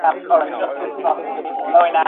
আমি কি বলবো বুঝতে পারছি না।